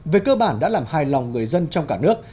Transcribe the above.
về cơ bản đã làm hài lòng người dân trong cả nước